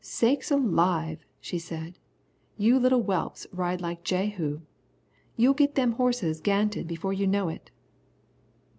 "Sakes alive," she said, "you little whelps ride like Jehu. You'll git them horses ga'nted before you know it."